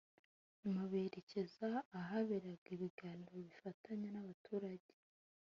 nyuma berekeza ahaberaga ibiganiro bifatanya n’abaturage